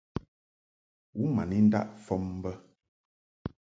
U ma ni ndaʼ fɔm bə.